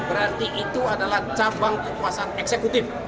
berarti itu adalah cabang kekuasaan eksekutif